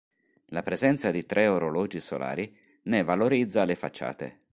La presenza di tre orologi solari ne valorizza le facciate.